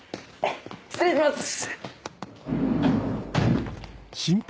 失礼します！